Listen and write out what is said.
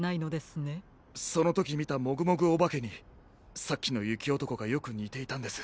そのときみたもぐもぐおばけにさっきのゆきおとこがよくにていたんです。